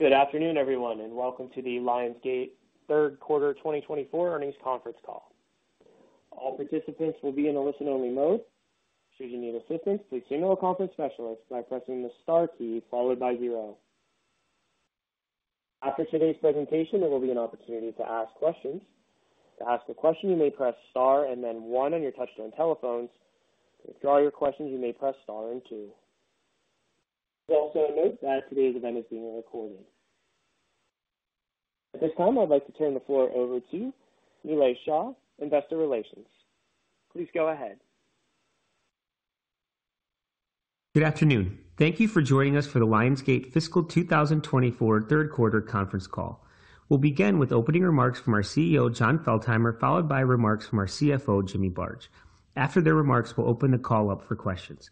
Good afternoon, everyone, and welcome to the Lionsgate third Q3 2024 earnings conference call. All participants will be in a listen-only mode. Should you need assistance, please signal a conference specialist by pressing the star key followed by zero. After today's presentation, there will be an opportunity to ask questions. To ask a question, you may press star and then one on your touchtone telephones. To withdraw your questions, you may press star and two. Also note that today's event is being recorded. At this time, I'd like to turn the floor over to Nilay Shah, Investor Relations. Please go ahead. Good afternoon. Thank you for joining us for the Lionsgate Fiscal 2024 Q3 Conference Call. We'll begin with opening remarks from our CEO, Jon Feltheimer, followed by remarks from our CFO, Jimmy Barge. After their remarks, we'll open the call up for questions.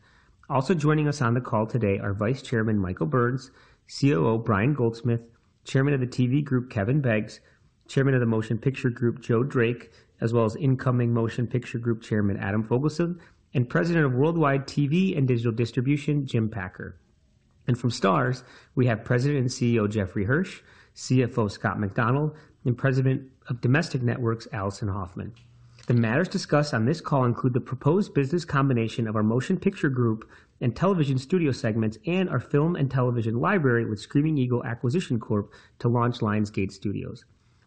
Also joining us on the call today are Vice Chairman Michael Burns, COO Brian Goldsmith, Chairman of the TV Group, Kevin Beggs, Chairman of the Motion Picture Group, Joe Drake, as well as incoming Motion Picture Group Chairman Adam Fogelson, and President of Worldwide TV and Digital Distribution, Jim Packer. From Starz, we have President and CEO Jeffrey Hirsch, CFO Scott MacDonald, and President of Domestic Networks, Alison Hoffman. The matters discussed on this call include the proposed business combination of our motion picture group and television studio segments, and our film and television library with Screaming Eagle Acquisition Corp to launch Lionsgate Studios.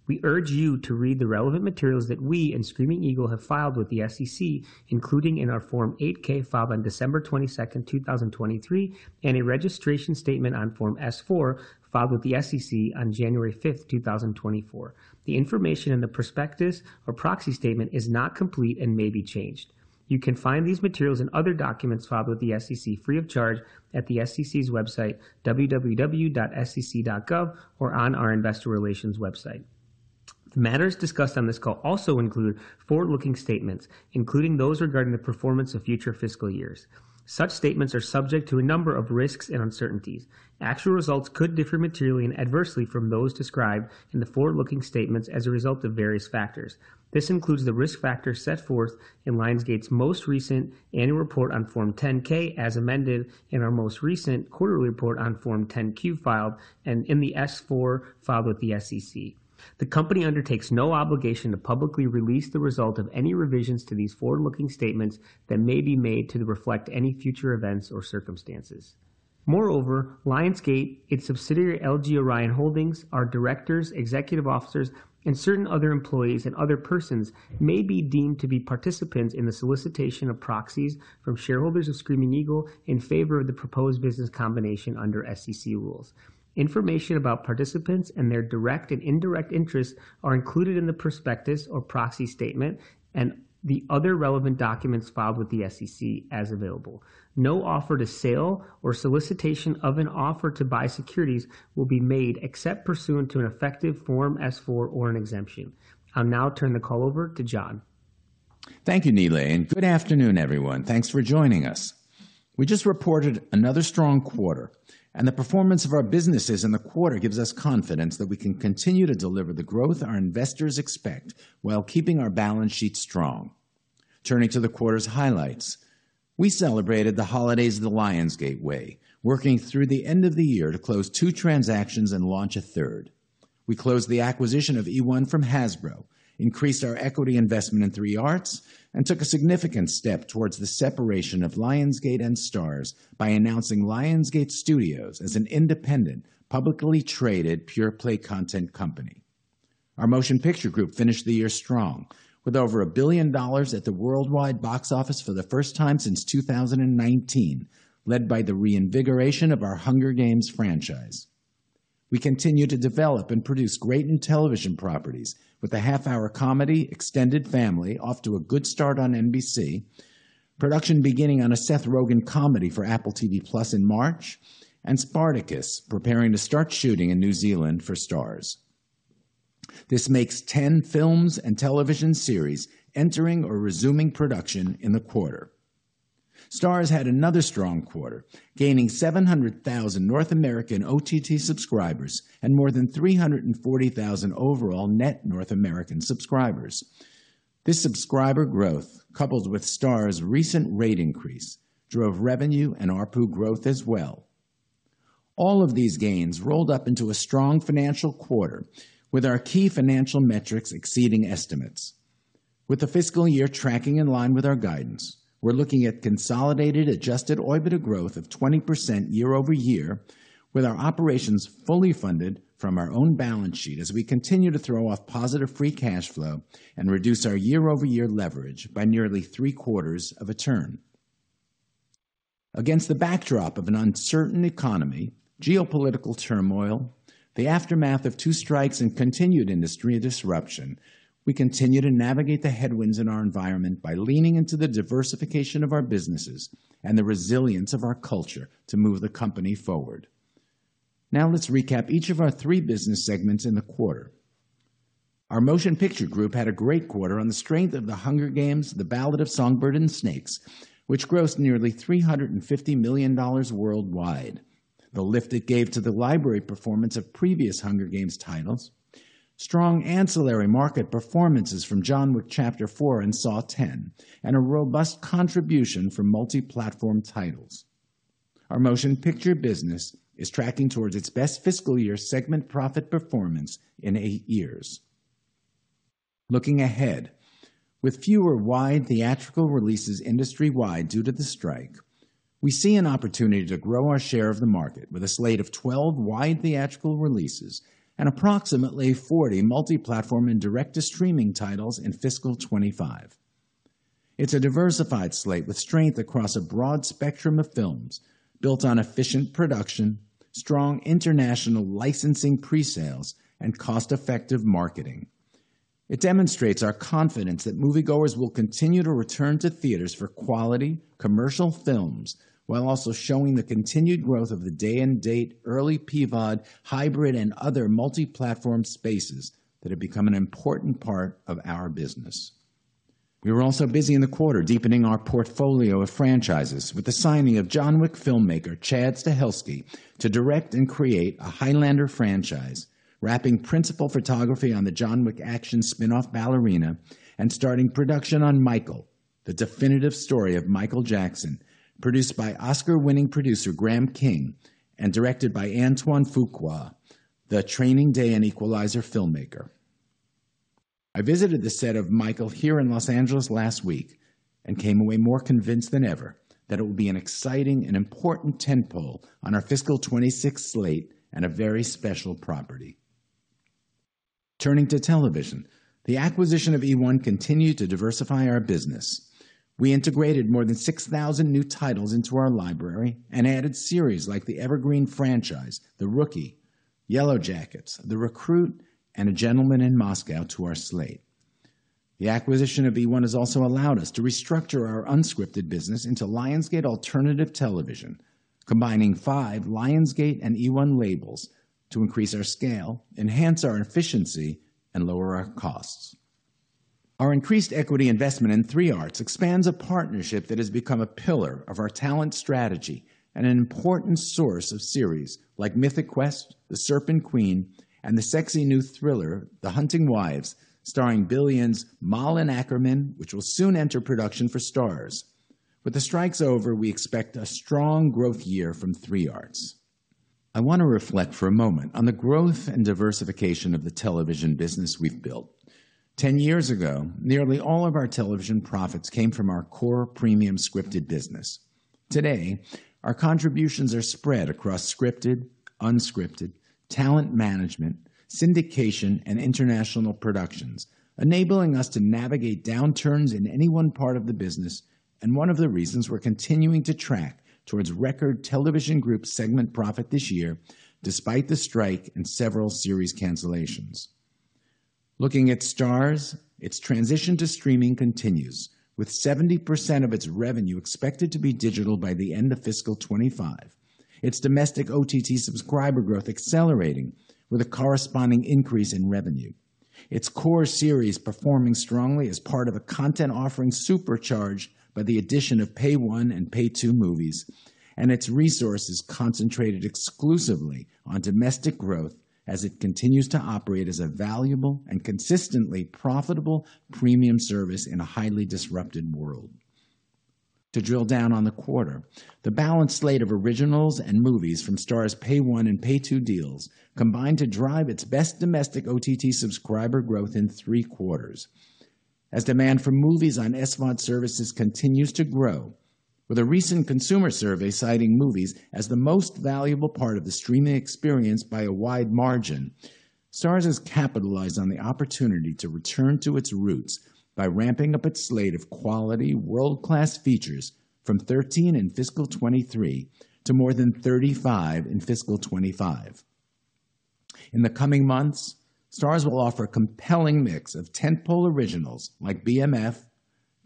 We urge you to read the relevant materials that we and Screaming Eagle have filed with the SEC, including in our Form 8-K filed on December 22, 2023, and a registration statement on Form S-4, filed with the SEC on January 5, 2024. The information in the prospectus or proxy statement is not complete and may be changed. You can find these materials and other documents filed with the SEC free of charge at the SEC's website, www.sec.gov, or on our investor relations website. The matters discussed on this call also include forward-looking statements, including those regarding the performance of future fiscal years. Such statements are subject to a number of risks and uncertainties. Actual results could differ materially and adversely from those described in the forward-looking statements as a result of various factors. This includes the risk factors set forth in Lionsgate's most recent Annual Report on Form 10-K as amended in our most recent quarterly report on Form 10-Q filed and in the S-4 filed with the SEC. The company undertakes no obligation to publicly release the result of any revisions to these forward-looking statements that may be made to reflect any future events or circumstances. Moreover, Lionsgate, its subsidiary, LG Orion Holdings, our directors, executive officers, and certain other employees and other persons may be deemed to be participants in the solicitation of proxies from shareholders of Screaming Eagle in favor of the proposed business combination under SEC rules. Information about participants and their direct and indirect interests are included in the prospectus or proxy statement and the other relevant documents filed with the SEC as available. No offer to sell or solicitation of an offer to buy securities will be made except pursuant to an effective Form S-4 or an exemption. I'll now turn the call over to Jon. Thank you, Nilay, and good afternoon, everyone. Thanks for joining us. We just reported another strong quarter, and the performance of our businesses in the quarter gives us confidence that we can continue to deliver the growth our investors expect while keeping our balance sheet strong. Turning to the quarter's highlights, we celebrated the holidays the Lionsgate way, working through the end of the year to close two transactions and launch a third. We closed the acquisition of eOne from Hasbro, increased our equity investment in 3 Arts, and took a significant step towards the separation of Lionsgate and Starz by announcing Lionsgate Studios as an independent, publicly traded, pure-play content company. Our Motion Picture Group finished the year strong, with over $1 billion at the worldwide box office for the first time since 2019, led by the reinvigoration of our Hunger Games franchise. We continue to develop and produce great television properties with the half-hour comedy, Extended Family, off to a good start on NBC, production beginning on a Seth Rogen comedy for Apple TV+ in March, and Spartacus preparing to start shooting in New Zealand for Starz. This makes 10 films and television series entering or resuming production in the quarter. Starz had another strong quarter, gaining 700,000 North American OTT subscribers and more than 340,000 overall net North American subscribers. This subscriber growth, coupled with Starz's recent rate increase, drove revenue and ARPU growth as well. All of these gains rolled up into a strong financial quarter, with our key financial metrics exceeding estimates. With the fiscal year tracking in line with our guidance, we're looking at consolidated Adjusted OIBDA growth of 20% year-over-year, with our operations fully funded from our own balance sheet as we continue to throw off positive free cash flow and reduce our year-over-year leverage by nearly three-quarters of a turn. Against the backdrop of an uncertain economy, geopolitical turmoil, the aftermath of two strikes, and continued industry disruption, we continue to navigate the headwinds in our environment by leaning into the diversification of our businesses and the resilience of our culture to move the company forward. Now let's recap each of our three business segments in the quarter. Our Motion Picture Group had a great quarter on the strength of The Hunger Games: The Ballad of Songbirds and Snakes, which grossed nearly $350 million worldwide. The lift it gave to the library performance of previous Hunger Games titles. Strong ancillary market performances from John Wick: Chapter Four and Saw X, and a robust contribution from multi-platform titles. Our motion picture business is tracking towards its best fiscal year segment profit performance in eight years. Looking ahead, with fewer wide theatrical releases industry-wide due to the strike, we see an opportunity to grow our share of the market with a slate of 12 wide theatrical releases and approximately 40 multi-platform and direct-to-streaming titles in fiscal 2025. It's a diversified slate with strength across a broad spectrum of films, built on efficient production, strong international licensing pre-sales, and cost-effective marketing. It demonstrates our confidence that moviegoers will continue to return to theaters for quality, commercial films, while also showing the continued growth of the day-and-date, Early PVOD, hybrid, and other multi-platform spaces that have become an important part of our business. We were also busy in the quarter deepening our portfolio of franchises with the signing of John Wick filmmaker Chad Stahelski to direct and create a Highlander franchise, wrapping principal photography on the John Wick action spin-off Ballerina, and starting production on Michael: The Definitive Story of Michael Jackson, produced by Oscar-winning producer Graham King and directed by Antoine Fuqua, the Training Day and Equalizer filmmaker. I visited the set of Michael here in Los Angeles last week and came away more convinced than ever that it will be an exciting and important tentpole on our fiscal 26 slate and a very special property. Turning to television, the acquisition of eOne continued to diversify our business. We integrated more than 6,000 new titles into our library and added series like the Evergreen franchise, The Rookie, Yellowjackets, The Recruit, and A Gentleman in Moscow to our slate. The acquisition of eOne has also allowed us to restructure our unscripted business into Lionsgate Alternative Television, combining five Lionsgate and eOne labels to increase our scale, enhance our efficiency, and lower our costs. Our increased equity investment in 3 Arts expands a partnership that has become a pillar of our talent strategy and an important source of series like Mythic Quest, The Serpent Queen, and the sexy new thriller, The Hunting Wives, starring Billions' Malin Åkerman, which will soon enter production for Starz. With the strikes over, we expect a strong growth year from 3 Arts. I want to reflect for a moment on the growth and diversification of the television business we've built. 10 years ago, nearly all of our television profits came from our core premium scripted business. Today, our contributions are spread across scripted, unscripted, talent management, syndication, and international productions, enabling us to navigate downturns in any one part of the business, and one of the reasons we're continuing to track towards record television group segment profit this year, despite the strike and several series cancellations. Looking at Starz, its transition to streaming continues, with 70% of its revenue expected to be digital by the end of fiscal 2025. Its domestic OTT subscriber growth accelerating with a corresponding increase in revenue. Its core series performing strongly as part of a content offering supercharged by the addition of Pay One and Pay Two movies, and its resources concentrated exclusively on domestic growth as it continues to operate as a valuable and consistently profitable premium service in a highly disrupted world. To drill down on the quarter, the balanced slate of originals and movies from Starz Pay One and Pay Two deals combined to drive its best domestic OTT subscriber growth in three quarters. As demand for movies on SVOD services continues to grow, with a recent consumer survey citing movies as the most valuable part of the streaming experience by a wide margin, Starz has capitalized on the opportunity to return to its roots by ramping up its slate of quality, world-class features from 13 in fiscal 2023 to more than 35 in fiscal 2025. In the coming months, Starz will offer a compelling mix of tentpole originals like BMF,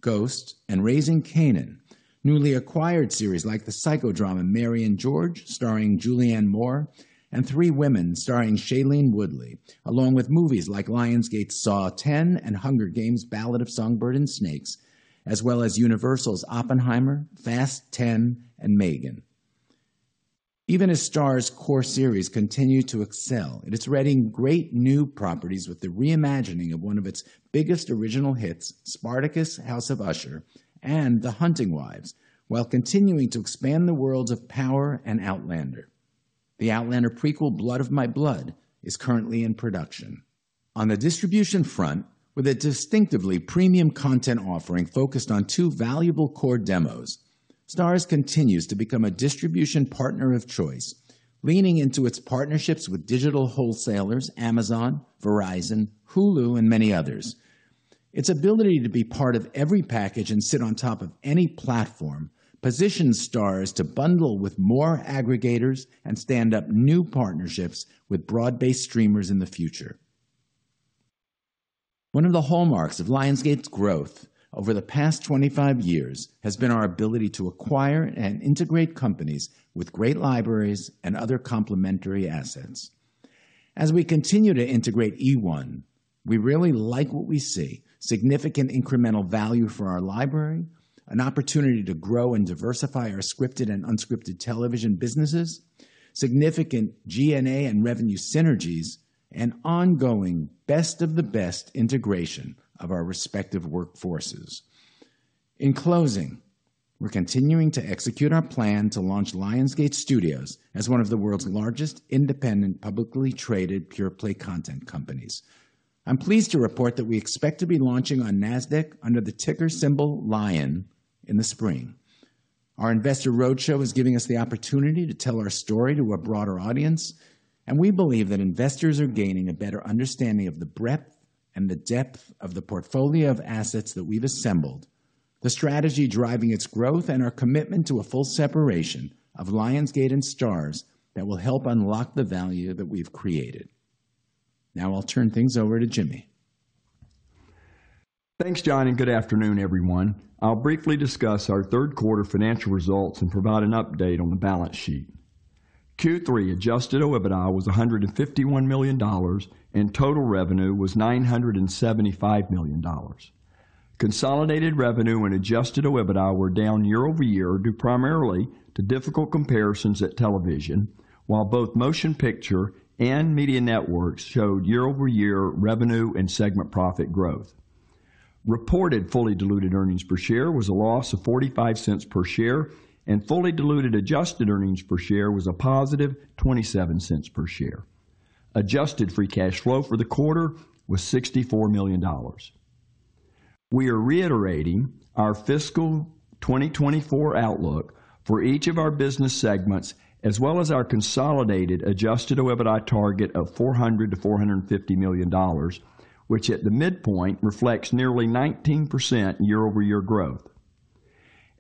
Ghost, and Raising Kanan, newly acquired series like the psychodrama Mary & George, starring Julianne Moore, and Three Women, starring Shailene Woodley, along with movies like Lionsgate's Saw X and Hunger Games: Ballad of Songbirds and Snakes, as well as Universal's Oppenheimer, Fast X, and M3GAN. Even as Starz core series continue to excel, it is readying great new properties with the reimagining of one of its biggest original hits, Spartacus, House of Usher, and The Hunting Wives, while continuing to expand the worlds of Power and Outlander. The Outlander prequel, Blood of My Blood, is currently in production. On the distribution front, with a distinctively premium content offering focused on two valuable core demos, Starz continues to become a distribution partner of choice, leaning into its partnerships with digital wholesalers, Amazon, Verizon, Hulu, and many others. Its ability to be part of every package and sit on top of any platform positions Starz to bundle with more aggregators and stand up new partnerships with broad-based streamers in the future. One of the hallmarks of Lionsgate's growth over the past 25 years has been our ability to acquire and integrate companies with great libraries and other complementary assets. As we continue to integrate eOne. We really like what we see: significant incremental value for our library, an opportunity to grow and diversify our scripted and unscripted television businesses, significant G&A and revenue synergies, and ongoing best-of-the-best integration of our respective workforces. In closing, we're continuing to execute our plan to launch Lionsgate Studios as one of the world's largest independent, publicly traded, pure-play content companies. I'm pleased to report that we expect to be launching on Nasdaq under the ticker symbol LION in the spring. Our investor roadshow is giving us the opportunity to tell our story to a broader audience, and we believe that investors are gaining a better understanding of the breadth and the depth of the portfolio of assets that we've assembled, the strategy driving its growth, and our commitment to a full separation of Lionsgate and Starz that will help unlock the value that we've created. Now I'll turn things over to Jimmy. Thanks, Jon, and good afternoon, everyone. I'll briefly discuss our Q3 financial results and provide an update on the balance sheet. Q3 adjusted OIBDA was $151 million, and total revenue was $975 million. Consolidated revenue and adjusted OIBDA were down year-over-year, due primarily to difficult comparisons at Television, while both Motion Picture and Media Networks showed year-over-year revenue and segment profit growth. Reported fully diluted earnings per share was a loss of 45 cents per share, and fully diluted adjusted earnings per share was a positive 27 cents per share. Adjusted free cash flow for the quarter was $64 million. We are reiterating our fiscal 2024 outlook for each of our business segments, as well as our consolidated Adjusted OIBDA target of $400-$450 million, which at the midpoint reflects nearly 19% year-over-year growth.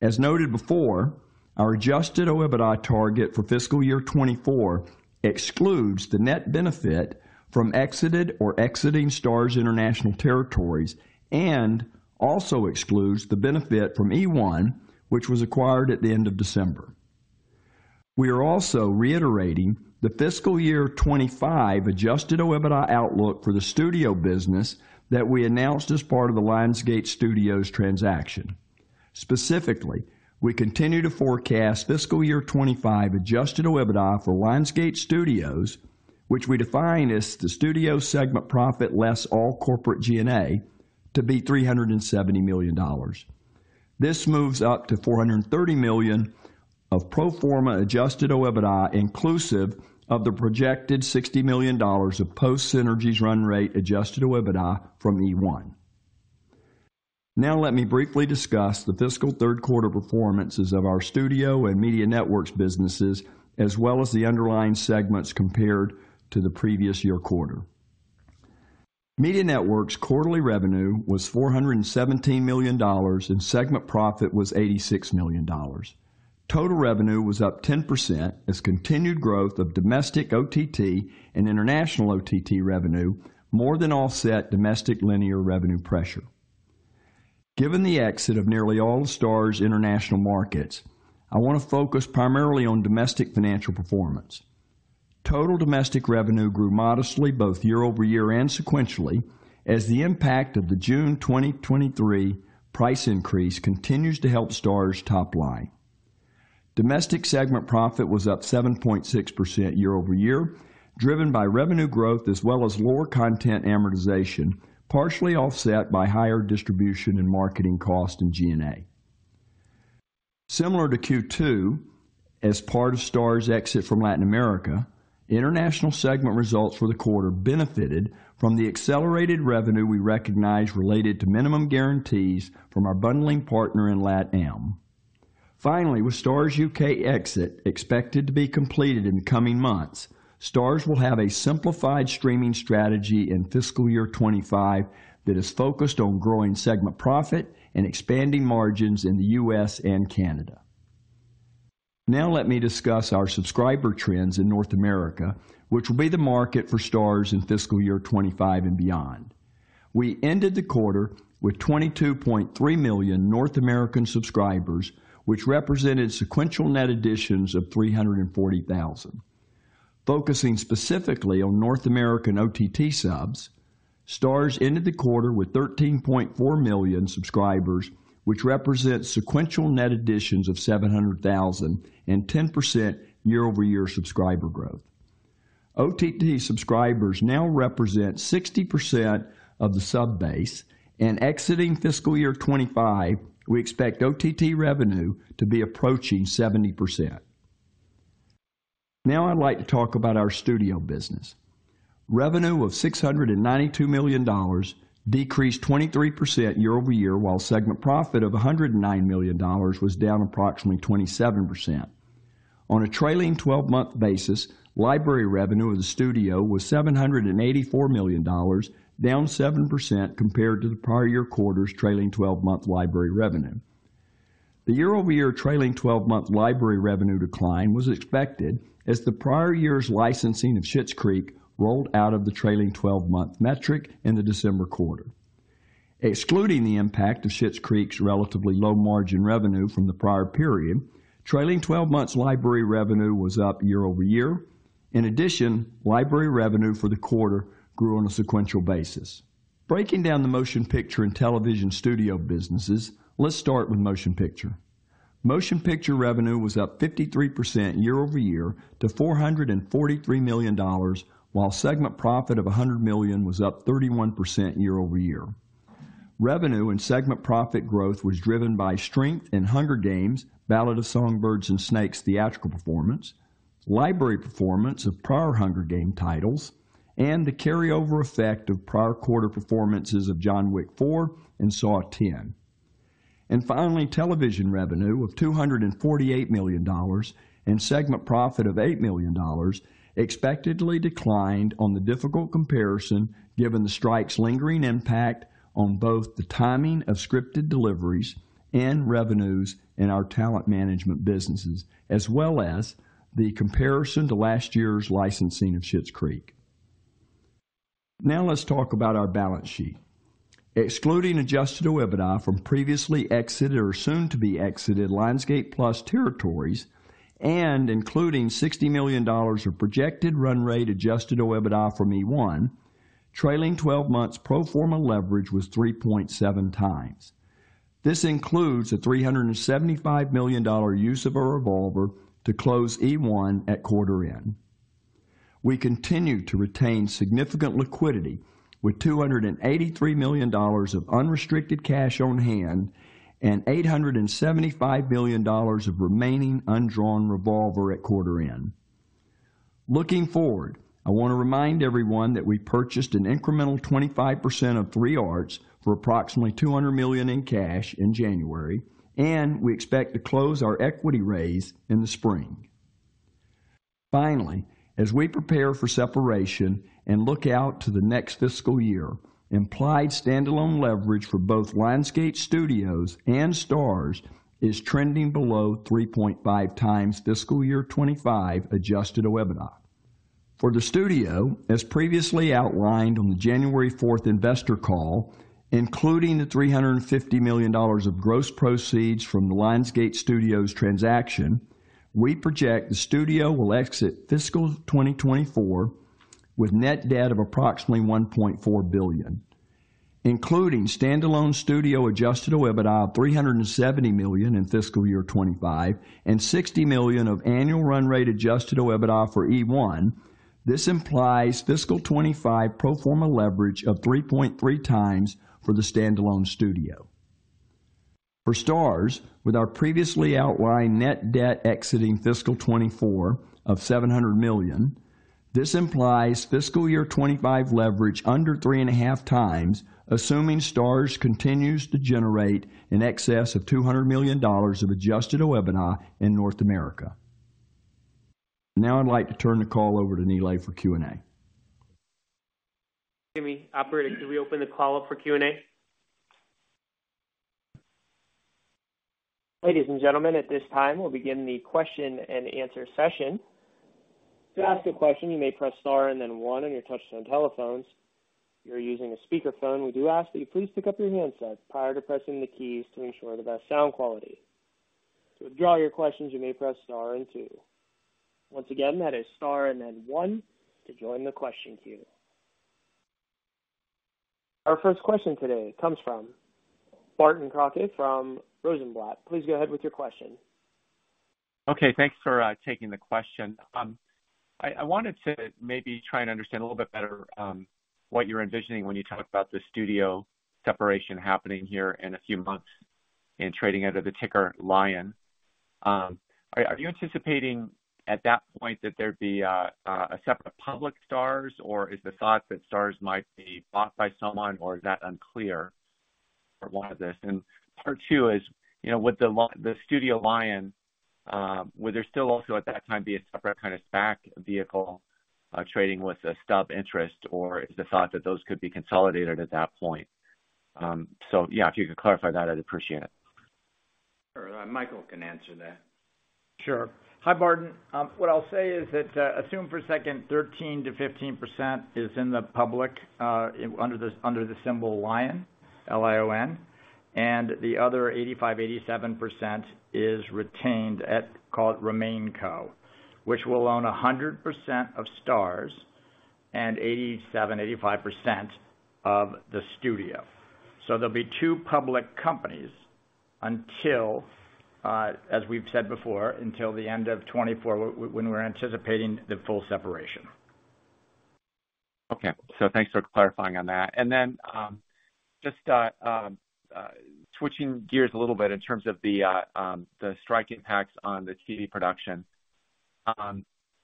As noted before, our Adjusted OIBDA target for fiscal year 2024 excludes the net benefit from exited or exiting Starz international territories and also excludes the benefit from eOne, which was acquired at the end of December. We are also reiterating the fiscal year 2025 Adjusted OIBDA outlook for the Studio business that we announced as part of the Lionsgate Studios transaction. Specifically, we continue to forecast fiscal year 2025 Adjusted OIBDA for Lionsgate Studios, which we define as the Studio segment profit less all corporate G&A, to be $370 million. This moves up to $430 million of pro forma Adjusted OIBDA, inclusive of the projected $60 million of post-synergies run rate Adjusted OIBDA from eOne. Now let me briefly discuss the fiscal Q3 performances of our Studio and Media Networks businesses, as well as the underlying segments compared to the previous year quarter. Media Networks' quarterly revenue was $417 million, and segment profit was $86 million. Total revenue was up 10% as continued growth of domestic OTT and international OTT revenue more than offset domestic linear revenue pressure. Given the exit of nearly all the STARZ international markets, I want to focus primarily on domestic financial performance. Total domestic revenue grew modestly, both year-over-year and sequentially, as the impact of the June 2023 price increase continues to help STARZ's top line. Domestic segment profit was up 7.6% year-over-year, driven by revenue growth as well as lower content amortization, partially offset by higher distribution and marketing costs in G&A. Similar to Q2, as part of Starz's exit from Latin America, International segment results for the quarter benefited from the accelerated revenue we recognized related to minimum guarantees from our bundling partner in LatAm. Finally, with Starz UK exit expected to be completed in the coming months, Starz will have a simplified streaming strategy in fiscal year 2025 that is focused on growing segment profit and expanding margins in the U.S. and Canada. Now let me discuss our subscriber trends in North America, which will be the market for Starz in fiscal year 2025 and beyond. We ended the quarter with 22.3 million North American subscribers, which represented sequential net additions of 340,000. Focusing specifically on North American OTT subs, Starz ended the quarter with 13.4 million subscribers, which represents sequential net additions of 700,000 and 10% year-over-year subscriber growth. OTT subscribers now represent 60% of the sub base, and exiting fiscal year 2025, we expect OTT revenue to be approaching 70%. Now I'd like to talk about our Studio business. Revenue of $692 million decreased 23% year-over-year, while segment profit of $109 million was down approximately 27%. On a trailing twelve-month basis, library revenue of the Studio was $784 million, down 7% compared to the prior year quarter's trailing twelve-month library revenue. The year-over-year trailing twelve-month library revenue decline was expected as the prior year's licensing of Schitt's Creek rolled out of the trailing twelve-month metric in the December quarter, excluding the impact of Schitt's Creek's relatively low margin revenue from the prior period, trailing twelve months library revenue was up year-over-year. In addition, library revenue for the quarter grew on a sequential basis. Breaking down the motion picture and television studio businesses, let's start with motion picture. Motion picture revenue was up 53% year-over-year to $443 million, while segment profit of $100 million was up 31% year-over-year. Revenue and segment profit growth was driven by strength in Hunger Games: Ballad of Songbirds and Snakes theatrical performance, library performance of prior Hunger Game titles, and the carryover effect of prior quarter performances of John Wick 4 and Saw X. Finally, television revenue of $248 million and segment profit of $8 million expectedly declined on the difficult comparison, given the strike's lingering impact on both the timing of scripted deliveries and revenues in our talent management businesses, as well as the comparison to last year's licensing of Schitt's Creek. Now, let's talk about our balance sheet. Excluding Adjusted OIBDA from previously exited or soon-to-be-exited Lionsgate+ territories, and including $60 million of projected run rate adjusted OIBDA from eOne, trailing 12 months pro forma leverage was 3.7x. This includes a $375 million use of a revolver to close eOne at quarter end. We continue to retain significant liquidity, with $283 million of unrestricted cash on hand and $875 million of remaining undrawn revolver at quarter end. Looking forward, I want to remind everyone that we purchased an incremental 25% of 3 Arts for approximately $200 million in cash in January, and we expect to close our equity raise in the spring. Finally, as we prepare for separation and look out to the next fiscal year, implied standalone leverage for both Lionsgate Studios and Starz is trending below 3.5x fiscal year 2025 adjusted OIBDA. For the studio, as previously outlined on the January 4th investor call, including the $350 million of gross proceeds from the Lionsgate Studios transaction, we project the studio will exit fiscal 2024 with net debt of approximately $1.4 billion, including standalone studio adjusted OIBDA of $370 million in fiscal year 2025 and $60 million of annual run rate adjusted OIBDA for eOne. This implies fiscal 2025 pro forma leverage of 3.3x for the standalone studio. For STARZ, with our previously outlined net debt exiting fiscal 2024 of $700 million, this implies fiscal year 2025 leverage under 3.5x, assuming STARZ continues to generate in excess of $200 million of Adjusted OIBDA in North America. Now I'd like to turn the call over to Nilay for Q&A. Jimmy, operator, could we open the call up for Q&A? Ladies and gentlemen, at this time, we'll begin the question-and-answer session. To ask a question, you may press star and then one on your touchtone telephones. If you're using a speakerphone, we do ask that you please pick up your handset prior to pressing the keys to ensure the best sound quality. To withdraw your questions, you may press star and two. Once again, that is star and then one to join the question queue. Our first question today comes from Barton Crockett from Rosenblatt. Please go ahead with your question. Okay, thanks for taking the question. I wanted to maybe try and understand a little bit better what you're envisioning when you talk about the studio separation happening here in a few months and trading under the ticker LION. Are you anticipating at that point that there'd be a separate public Starz, or is the thought that Starz might be bought by someone, or is that unclear for a lot of this? And part two is, you know, with the studio LION, would there still also at that time be a separate kind of SPAC vehicle trading with a stub interest, or is the thought that those could be consolidated at that point? So yeah, if you could clarify that, I'd appreciate it. Sure. Michael can answer that. Sure. Hi, Barton. What I'll say is that, assume for a second 13%-15% is in the public, under the symbol LION, L-I-O-N, and the other 85%-87% is retained at, call it RemainCo, which will own 100% of Starz and 87%, 85% of the studio. So there'll be two public companies until, as we've said before, until the end of 2024, when we're anticipating the full separation. Okay. So thanks for clarifying on that. And then, just, switching gears a little bit in terms of the, the strike impacts on the TV production.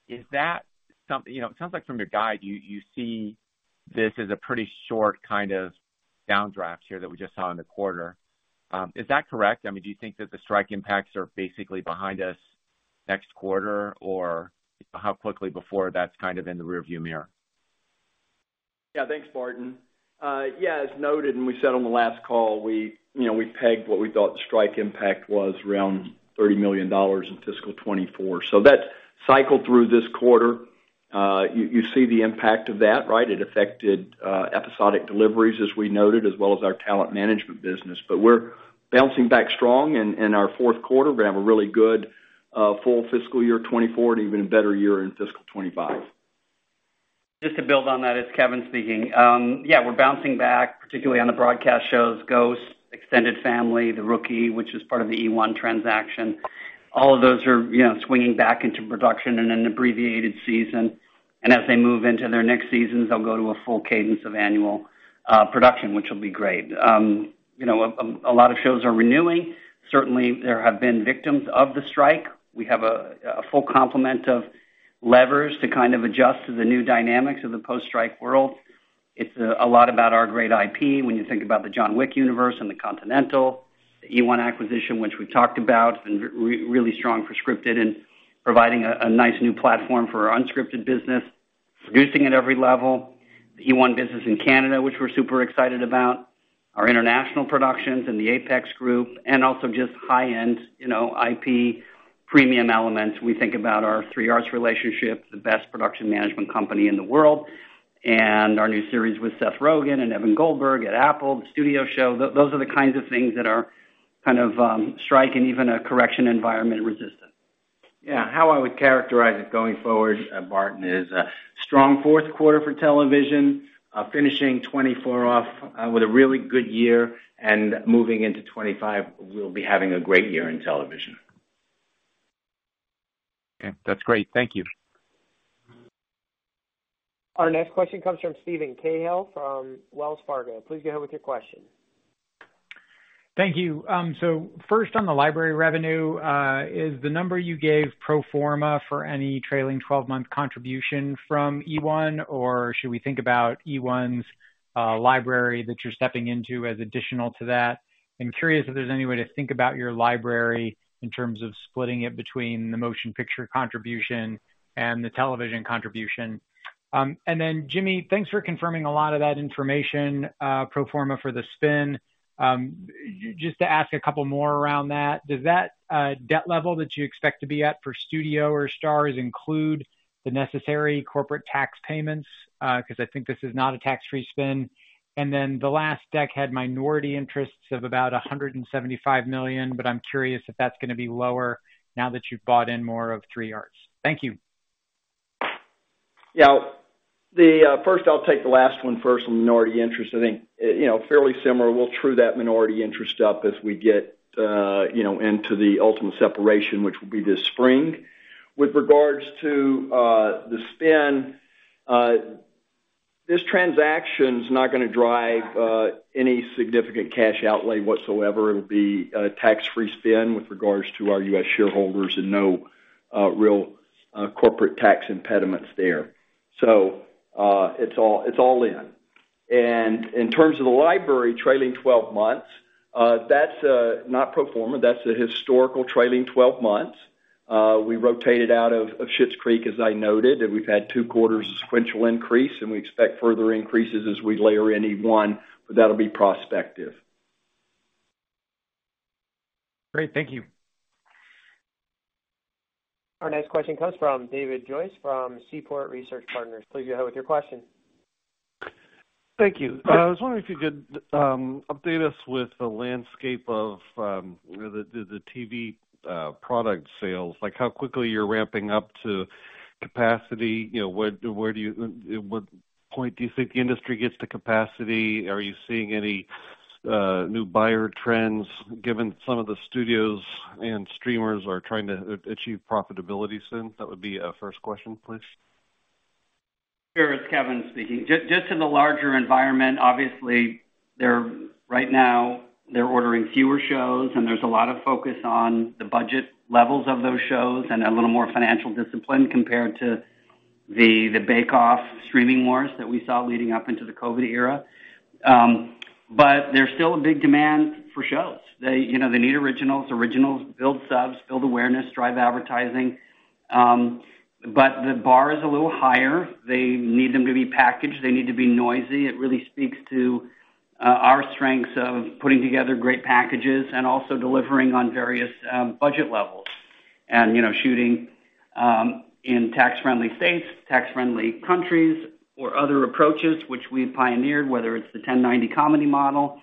Is that something... You know, it sounds like from your guide, you see this as a pretty short kind of downdraft here that we just saw in the quarter. Is that correct? I mean, do you think that the strike impacts are basically behind us next quarter, or how quickly before that's kind of in the rearview mirror? Yeah. Thanks, Barton. Yeah, as noted, and we said on the last call, we, you know, we pegged what we thought the strike impact was around $30 million in fiscal 2024. So that cycled through this quarter.... you see the impact of that, right? It affected episodic deliveries, as we noted, as well as our talent management business. But we're bouncing back strong in our Q4. We're gonna have a really good full fiscal year 2024, and even a better year in fiscal 2025. Just to build on that, it's Kevin speaking. Yeah, we're bouncing back, particularly on the broadcast shows, Ghosts, Extended Family, The Rookie, which is part of the eOne transaction. All of those are, you know, swinging back into production in an abbreviated season, and as they move into their next seasons, they'll go to a full cadence of annual production, which will be great. A lot of shows are renewing. Certainly, there have been victims of the strike. We have a full complement of levers to kind of adjust to the new dynamics of the post-strike world. It's a lot about our great IP when you think about the John Wick universe and the Continental, the eOne acquisition, which we talked about, and really strong for scripted and providing a nice new platform for our unscripted business, producing at every level. The eOne business in Canada, which we're super excited about, our international productions and the Apex group, and also just high end, you know, IP premium elements. We think about our 3 Arts relationship, the best production management company in the world, and our new series with Seth Rogen and Evan Goldberg at Apple, the studio show. Those are the kinds of things that are kind of strike and even a correction environment resistant. Yeah, how I would characterize it going forward, Barton, is a strong Q4 for television, finishing 2024 off, with a really good year, and moving into 2025, we'll be having a great year in television. Okay, that's great. Thank you. Our next question comes from Steven Cahall from Wells Fargo. Please go ahead with your question. Thank you. So first on the library revenue, is the number you gave pro forma for any trailing 12-month contribution from eOne, or should we think about eOne's library that you're stepping into as additional to that? I'm curious if there's any way to think about your library in terms of splitting it between the motion picture contribution and the television contribution. And then, Jimmy, thanks for confirming a lot of that information, pro forma for the spin. Just to ask a couple more around that: Does that debt level that you expect to be at for Studio or Starz include the necessary corporate tax payments? Because I think this is not a tax-free spin. And then, the last deck had minority interests of about $175 million, but I'm curious if that's gonna be lower now that you've bought in more of 3 Arts. Thank you. Yeah. First, I'll take the last one first on minority interest. I think, you know, fairly similar. We'll true that minority interest up as we get, you know, into the ultimate separation, which will be this spring. With regards to the spin, this transaction's not gonna drive any significant cash outlay whatsoever. It'll be a tax-free spin with regards to our U.S. shareholders and no real corporate tax impediments there. So, it's all in. And in terms of the library trailing 12 months, that's not pro forma, that's a historical trailing twelve months. We rotated out of Schitt's Creek, as I noted, and we've had two quarters of sequential increase, and we expect further increases as we layer in eOne, but that'll be prospective. Great. Thank you. Our next question comes from David Joyce from Seaport Research Partners. Please go ahead with your question. Thank you. I was wondering if you could update us with the landscape of the TV product sales, like, how quickly you're ramping up to capacity? You know, where, where do you at what point do you think the industry gets to capacity? Are you seeing any new buyer trends, given some of the studios and streamers are trying to achieve profitability soon? That would be a first question, please. Sure. It's Kevin speaking. Just in the larger environment, obviously, they're right now ordering fewer shows, and there's a lot of focus on the budget levels of those shows and a little more financial discipline compared to the bake off streaming wars that we saw leading up into the COVID era. But there's still a big demand for shows. They, you know, they need originals. Originals build subs, build awareness, drive advertising, but the bar is a little higher. They need them to be packaged. They need to be noisy. It really speaks to our strengths of putting together great packages and also delivering on various budget levels. You know, shooting in tax-friendly states, tax-friendly countries, or other approaches which we've pioneered, whether it's the 10/90 comedy model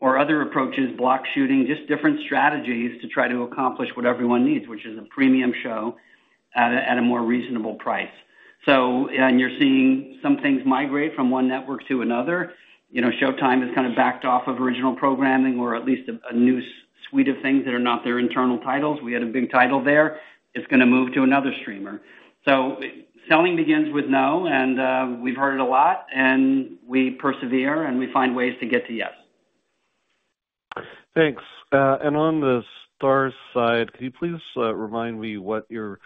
or other approaches, block shooting, just different strategies to try to accomplish what everyone needs, which is a premium show at a more reasonable price. So, and you're seeing some things migrate from one network to another. You know, Showtime has kind of backed off of original programming or at least a new suite of things that are not their internal titles. We had a big title there, it's gonna move to another streamer. So selling begins with no, and we've heard it a lot, and we persevere, and we find ways to get to yes. Thanks. And on the Starz side, can you please remind me what your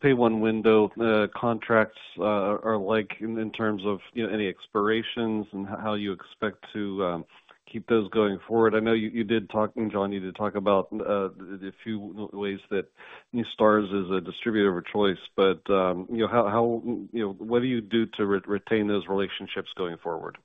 Pay One window contracts are like in terms of, you know, any expirations and how you expect to keep those going forward? I know you did talk, and Jon, you did talk about the few ways that Starz is a distributor of choice, but, you know, how, what do you do to retain those relationships going forward?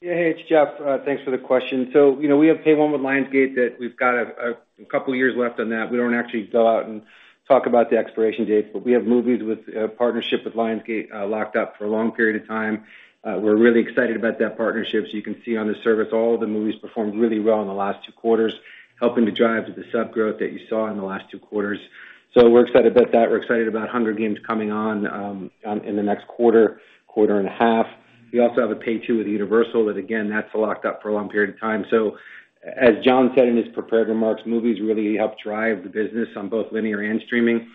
Yeah, hey, it's Jeff. Thanks for the question. So, you know, we have pay one with Lionsgate that we've got a couple of years left on that. We don't actually go out and talk about the expiration dates, but we have movies with partnership with Lionsgate locked up for a long period of time. We're really excited about that partnership. So you can see on the service, all the movies performed really well in the last two quarters, helping to drive to the sub growth that you saw in the last two quarters. So we're excited about that. We're excited about Hunger Games coming on, on, in the next quarter, quarter and a half. We also have a pay two with Universal, that again, that's locked up for a long period of time. As Jon said in his prepared remarks, movies really help drive the business on both linear and streaming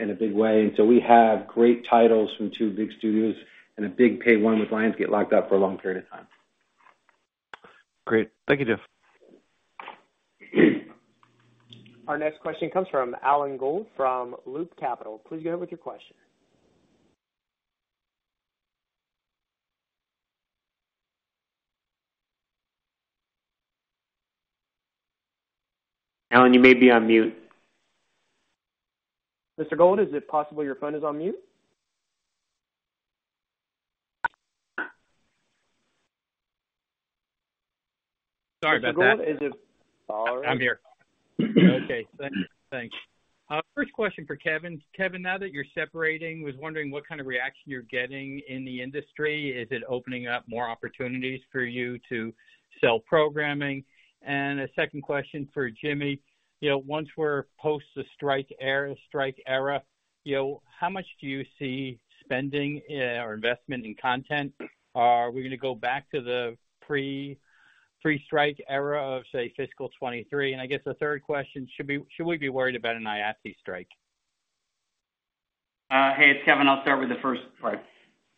in a big way. So we have great titles from two big studios and a big Pay One with Lionsgate locked up for a long period of time. Great. Thank you, Jeff. Our next question comes from Alan Gould from Loop Capital. Please go ahead with your question. Alan, you may be on mute. Mr. Gould, is it possible your phone is on mute? Sorry about that. Mr. Gould, is it- I'm here. Okay, thank you. Thanks. First question for Kevin. Kevin, now that you're separating, was wondering what kind of reaction you're getting in the industry. Is it opening up more opportunities for you to sell programming? And a second question for Jimmy: you know, once we're post the strike era, strike era, you know, how much do you see spending or investment in content? Are we gonna go back to the pre-strike era of, say, fiscal 2023? And I guess the third question, should we be worried about an IATSE strike? Hey, it's Kevin. I'll start with the first part.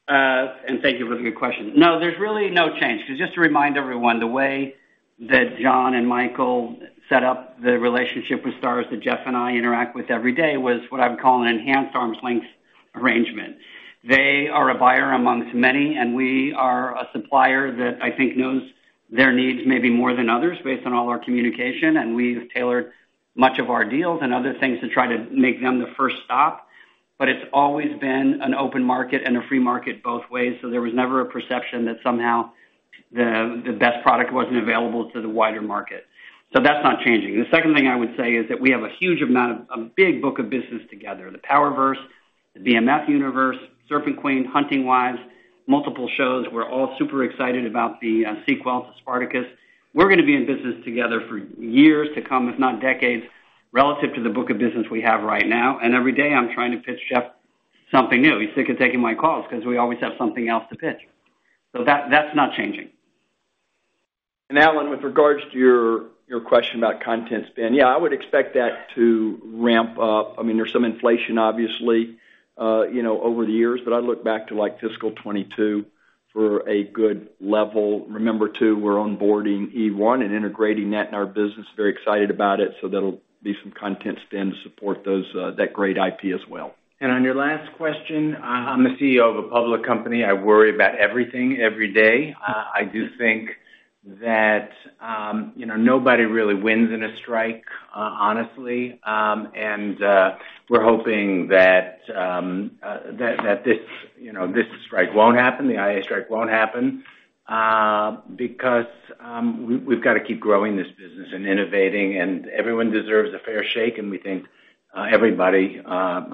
And thank you for the good question. No, there's really no change. Because just to remind everyone, the way that Jon and Michael set up the relationship with STARZ, that Jeff and I interact with every day, was what I'd call an enhanced arm's length arrangement. They are a buyer amongst many, and we are a supplier that I think knows their needs maybe more than others, based on all our communication, and we've tailored much of our deals and other things to try to make them the first stop. But it's always been an open market and a free market both ways, so there was never a perception that somehow the, the best product wasn't available to the wider market. So that's not changing. The second thing I would say is that we have a huge amount of, a big book of business together. The Power verse, the BMF universe, Serpent Queen, Hunting Wives, multiple shows. We're all super excited about the sequels to Spartacus. We're gonna be in business together for years to come, if not decades, relative to the book of business we have right now. And every day, I'm trying to pitch Jeff something new. He's sick of taking my calls 'cause we always have something else to pitch. So that, that's not changing. Now with regards to your question about content spend, yeah, I would expect that to ramp up. I mean, there's some inflation, obviously, you know, over the years, but I'd look back to like fiscal 2022 for a good level. Remember, too, we're onboarding eOne and integrating that in our business. Very excited about it, so there'll be some content spend to support those, that great IP as well. On your last question, I'm the CEO of a public company. I worry about everything every day. I do think that, you know, nobody really wins in a strike, honestly. We're hoping that this, you know, this strike won't happen, the IA strike won't happen, because we've got to keep growing this business and innovating, and everyone deserves a fair shake, and we think everybody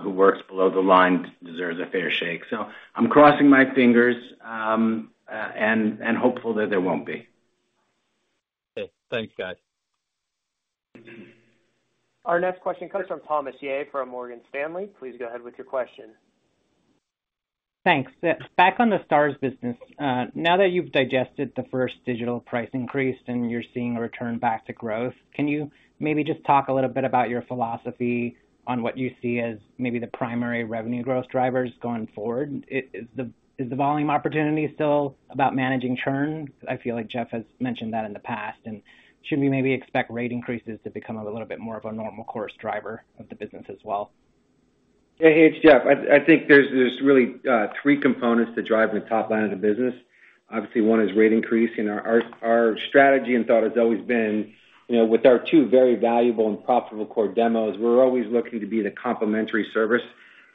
who works below the line deserves a fair shake. So I'm crossing my fingers and hopeful that there won't be. Okay. Thanks, guys. Our next question comes from Thomas Yeh, from Morgan Stanley. Please go ahead with your question. Thanks. Back on the Starz business. Now that you've digested the first digital price increase and you're seeing a return back to growth, can you maybe just talk a little bit about your philosophy on what you see as maybe the primary revenue growth drivers going forward? Is the volume opportunity still about managing churn? I feel like Jeff has mentioned that in the past. And should we maybe expect rate increases to become a little bit more of a normal course driver of the business as well? Yeah, hey, it's Jeff. I think there's really three components to driving the top line of the business. Obviously, one is rate increase. You know, our strategy and thought has always been, you know, with our two very valuable and profitable core demos, we're always looking to be the complementary service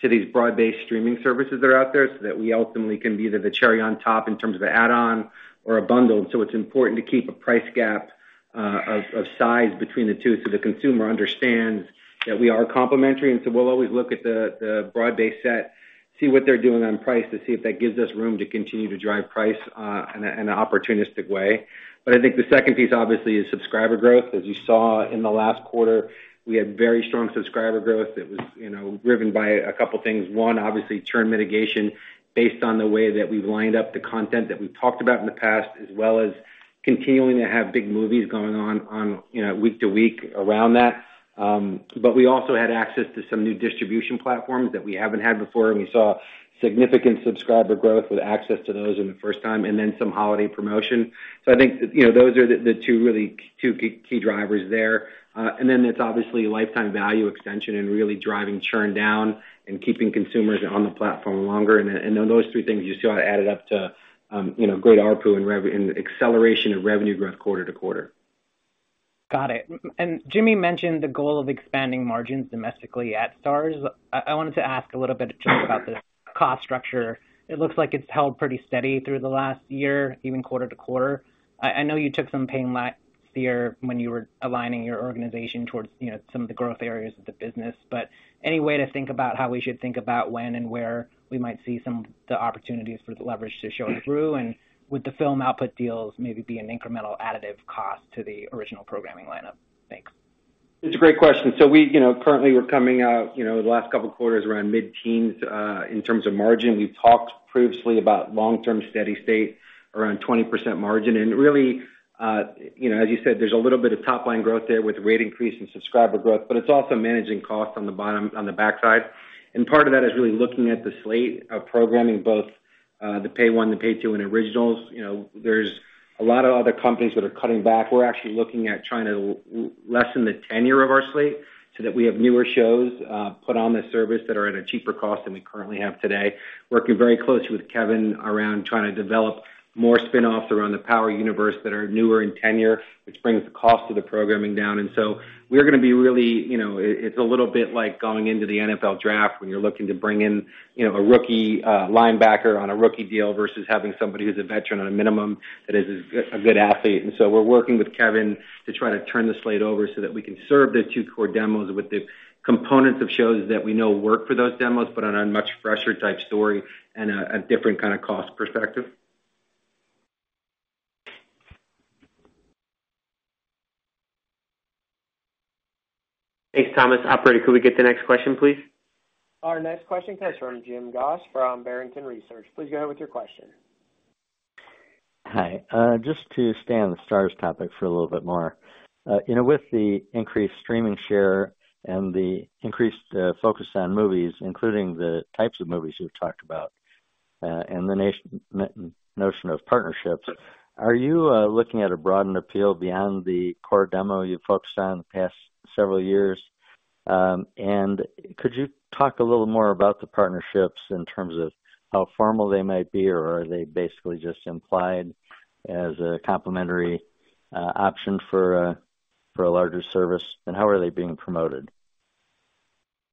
to these broad-based streaming services that are out there, so that we ultimately can be the cherry on top in terms of an add-on or a bundle. So it's important to keep a price gap of size between the two, so the consumer understands that we are complementary. And so we'll always look at the broad-based set, see what they're doing on price to see if that gives us room to continue to drive price in an opportunistic way. But I think the second piece, obviously, is subscriber growth. As you saw in the last quarter, we had very strong subscriber growth that was, you know, driven by a couple things. One, obviously, churn mitigation, based on the way that we've lined up the content that we've talked about in the past, as well as continuing to have big movies going on, you know, week to week around that. But we also had access to some new distribution platforms that we haven't had before, and we saw significant subscriber growth with access to those in the first time, and then some holiday promotion. So I think, you know, those are the two really key drivers there. And then it's obviously lifetime value extension and really driving churn down and keeping consumers on the platform longer. And then those three things you saw added up to, you know, great ARPU and revenue and acceleration in revenue growth quarter to quarter. Got it. And Jimmy mentioned the goal of expanding margins domestically at Starz. I wanted to ask a little bit just about the cost structure. It looks like it's held pretty steady through the last year, even quarter to quarter. I know you took some pain last year when you were aligning your organization towards, you know, some of the growth areas of the business. But any way to think about how we should think about when and where we might see some of the opportunities for the leverage to show through? And would the film output deals maybe be an incremental additive cost to the original programming lineup? Thanks. It's a great question. So we, you know, currently, we're coming out, you know, the last couple of quarters around mid-teens% in terms of margin. We've talked previously about long-term steady state around 20% margin. And really, you know, as you said, there's a little bit of top line growth there with rate increase and subscriber growth, but it's also managing costs on the bottom- on the backside. And part of that is really looking at the slate of programming, both, the Pay One, the Pay Two, and Originals. You know, there's a lot of other companies that are cutting back. We're actually looking at trying to lessen the tenure of our slate so that we have newer shows put on the service that are at a cheaper cost than we currently have today. Working very closely with Kevin around trying to develop more spinoffs around the Power Universe that are newer in tenure, which brings the cost of the programming down. And so we're gonna be really, you know—it's a little bit like going into the NFL draft when you're looking to bring in, you know, a rookie linebacker on a rookie deal versus having somebody who's a veteran on a minimum, that is a good athlete. And so we're working with Kevin to try to turn the slate over so that we can serve the two core demos with the components of shows that we know work for those demos, but on a much fresher type story and a different kind of cost perspective. Thanks, Thomas. Operator, could we get the next question, please? Our next question comes from Jim Goss from Barrington Research. Please go ahead with your question. Hi. Just to stay on the Starz topic for a little bit more. You know, with the increased streaming share and the increased focus on movies, including the types of movies you've talked about, and the notion of partnerships, are you looking at a broadened appeal beyond the core demo you've focused on the past several years? And could you talk a little more about the partnerships in terms of how formal they might be, or are they basically just implied as a complementary option for a larger service, and how are they being promoted?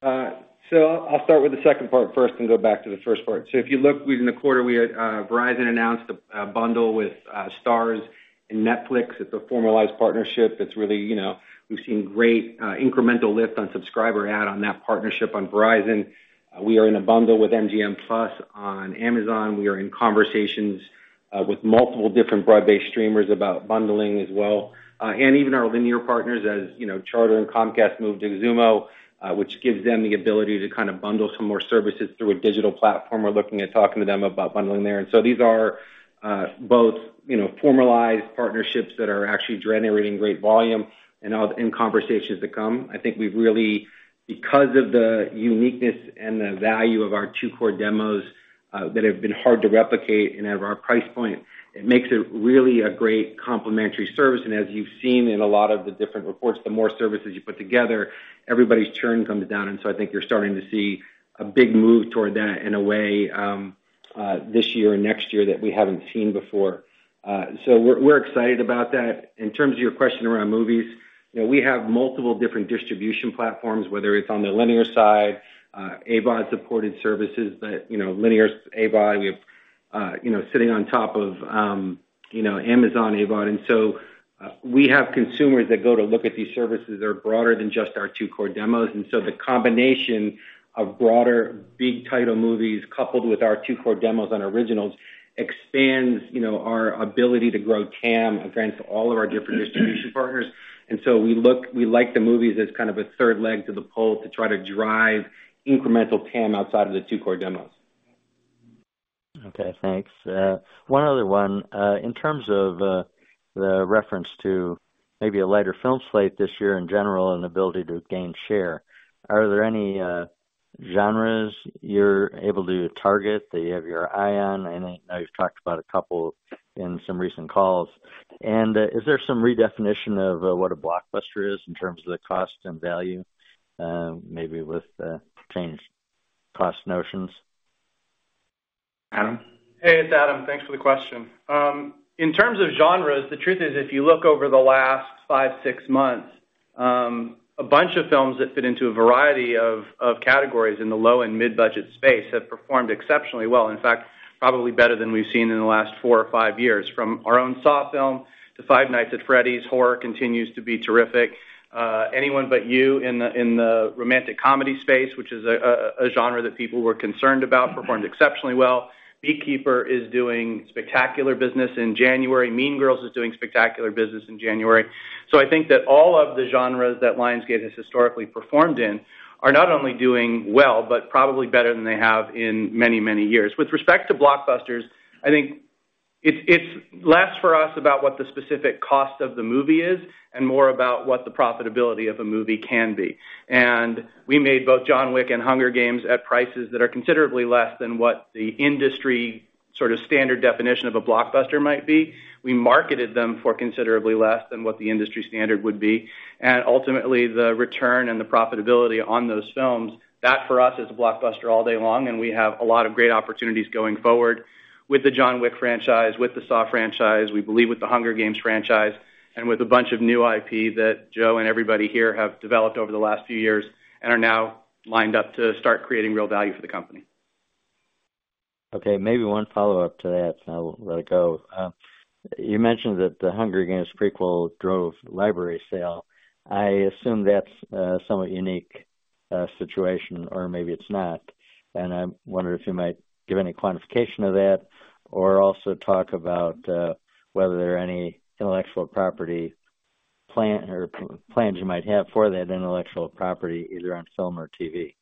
I'll start with the second part first and go back to the first part. If you look within the quarter, we had Verizon announced a bundle with STARZ and Netflix. It's a formalized partnership. It's really, you know, we've seen great incremental lift on subscriber add on that partnership on Verizon. We are in a bundle with MGM Plus on Amazon. We are in conversations with multiple different broad-based streamers about bundling as well. And even our linear partners, as you know, Charter and Comcast moved to Xumo, which gives them the ability to kind of bundle some more services through a digital platform. We're looking at talking to them about bundling there. And these are both, you know, formalized partnerships that are actually generating great volume and all-in conversations to come. I think we've really, because of the uniqueness and the value of our two core demos, that have been hard to replicate and at our price point, it makes it really a great complementary service. And as you've seen in a lot of the different reports, the more services you put together, everybody's churn comes down. And so I think you're starting to see a big move toward that in a way, this year and next year that we haven't seen before. So we're, we're excited about that. In terms of your question around movies, you know, we have multiple different distribution platforms, whether it's on the linear side, AVOD-supported services, but, you know, linear AVOD, we have, you know, sitting on top of, you know, Amazon AVOD. So, we have consumers that go to look at these services are broader than just our two core demos. And so the combination of broader, big title movies, coupled with our two core demos on Originals, expands, you know, our ability to grow TAM against all of our different distribution partners. And so we like the movies as kind of a third leg to the pole to try to drive incremental TAM outside of the two core demos. Okay, thanks. One other one. In terms of the reference to maybe a lighter film slate this year in general and ability to gain share, are there any genres you're able to target, that you have your eye on? I know you've talked about a couple in some recent calls. Is there some redefinition of what a blockbuster is in terms of the cost and value, maybe with changed cost notions? Adam? Hey, it's Adam. Thanks for the question. In terms of genres, the truth is, if you look over the last five, six months, a bunch of films that fit into a variety of categories in the low and mid-budget space have performed exceptionally well. In fact, probably better than we've seen in the last four or five years. From our own Saw film to Five Nights at Freddy's, horror continues to be terrific. Anyone But You in the romantic comedy space, which is a genre that people were concerned about, performed exceptionally well. Beekeeper is doing spectacular business in January. Mean Girls is doing spectacular business in January. So I think that all of the genres that Lionsgate has historically performed in are not only doing well, but probably better than they have in many, many years. With respect to blockbusters, I think it's less for us about what the specific cost of the movie is and more about what the profitability of a movie can be. We made both John Wick and Hunger Games at prices that are considerably less than what the industry sort of standard definition of a blockbuster might be. We marketed them for considerably less than what the industry standard would be. And ultimately, the return and the profitability on those films, that for us, is a blockbuster all day long, and we have a lot of great opportunities going forward with the John Wick franchise, with the Saw franchise, we believe with the Hunger Games franchise, and with a bunch of new IP that Joe and everybody here have developed over the last few years and are now lined up to start creating real value for the company. Okay, maybe one follow-up to that, and I will let it go. You mentioned that the Hunger Games prequel drove library sale. I assume that's somewhat unique situation, or maybe it's not. And I wonder if you might give any quantification of that, or also talk about whether there are any intellectual property plan or plans you might have for that intellectual property, either on film or TV.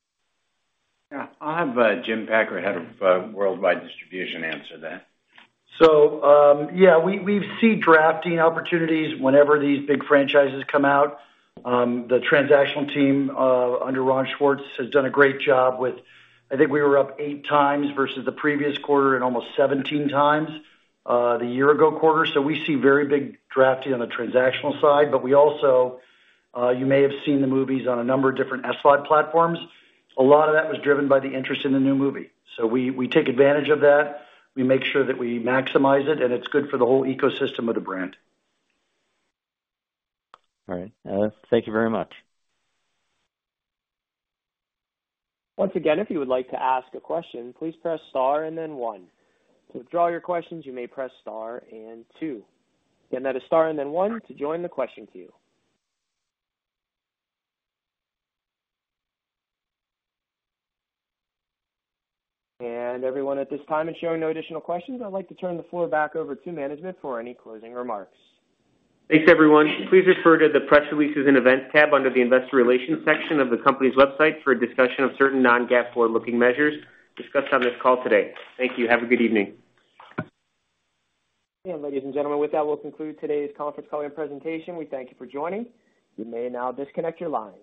Yeah, I'll have Jim Packer, head of worldwide distribution, answer that. So, yeah, we see drafting opportunities whenever these big franchises come out. The transactional team under Ron Schwartz has done a great job with... I think we were up eight times versus the previous quarter and almost 17 times the year ago quarter. So we see very big drafting on the transactional side, but we also, you may have seen the movies on a number of different SVOD platforms. A lot of that was driven by the interest in the new movie. So we, we take advantage of that. We make sure that we maximize it, and it's good for the whole ecosystem of the brand. All right. Thank you very much. Once again, if you would like to ask a question, please press star and then one. To withdraw your questions, you may press star and two. Again, that is star and then one to join the question queue. And everyone at this time is showing no additional questions. I'd like to turn the floor back over to management for any closing remarks. Thanks, everyone. Please refer to the press releases and events tab under the investor relations section of the company's website for a discussion of certain non-GAAP forward-looking measures discussed on this call today. Thank you. Have a good evening. Ladies and gentlemen, with that, we'll conclude today's conference call and presentation. We thank you for joining. You may now disconnect your lines.